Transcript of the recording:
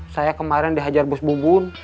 saya kemarin dihajar bus bubun